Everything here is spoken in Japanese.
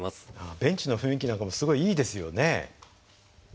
ベンチの雰囲気なんかもすごいいいですよね。